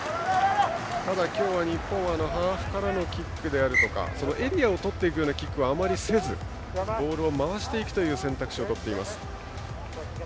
ただ今日は、日本ハーフからのキックだとかエリアを取っていくようなキックはあまりせずボールを回していくという選択肢をとっています。